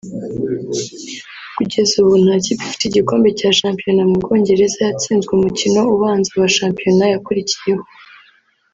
Kugeza ubu nta kipe ifite igikombe cya shampiyona mu Bwongereza yatsinzwe umukino ubanza wa shampiyona yakurikiyeho